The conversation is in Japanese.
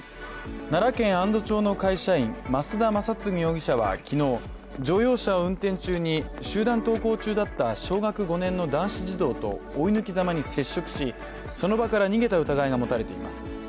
奈良県安堵町の会社員、増田昌嗣容疑者は昨日、乗用車を運転中に集団登校中だった小学５年の男子児童と追い抜きざまに接触しその場から逃げた疑いが持たれています。